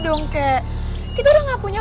dong kayak kita udah gak punya